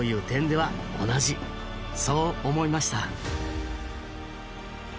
そう思いました。